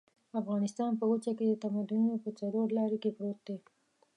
افغانستان په وچه کې د تمدنونو په څلور لاري کې پروت دی.